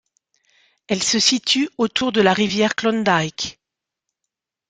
Elle se situe autour de la rivière Klondike.